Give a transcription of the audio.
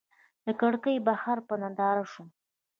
له کړکۍ بهر په ننداره شوم.